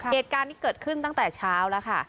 เหตุการณ์นี้เกิดขึ้นตั้งแต่เช้าแล้วค่ะ